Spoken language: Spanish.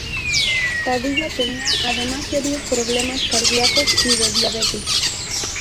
Padilla tenía, además, serios problemas cardiacos y de diabetes.